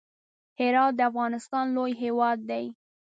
هرات د افغانستان لوی ولایت دی.